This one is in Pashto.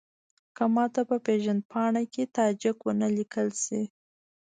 که ماته په پېژندپاڼه کې تاجک ونه لیکل شي.